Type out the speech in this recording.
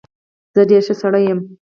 زه ډېر ښه سړى يم.